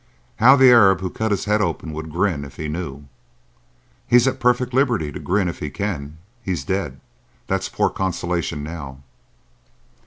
"How the Arab who cut his head open would grin if he knew!" "He's at perfect liberty to grin if he can. He's dead. That's poor consolation now."